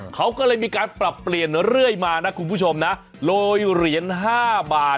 เขาก็เลยมีการปรับเปลี่ยนเรื่อยมานะคุณผู้ชมนะโรยเหรียญ๕บาท